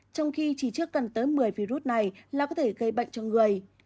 trong khi chỉ chưa cần tới một mươi virus này là có thể gây bệnh cho người